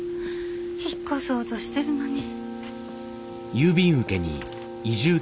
引っ越そうとしてるのに。